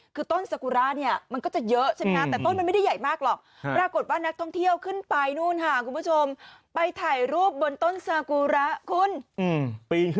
คือต้นสกุระเนี่ยมันก็จะเยอะใช่ไหมฮะแต่ต้นมันไม่ได้ใหญ่มากหรอก